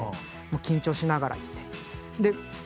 緊張しながら行って。